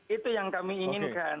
itu yang kami inginkan